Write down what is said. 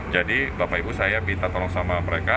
jadi bapak ibu saya minta tolong sama mereka